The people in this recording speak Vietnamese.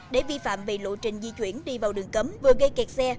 để vi phạm về lộ trình di chuyển đi vào đường cấm vừa gây kẹt xe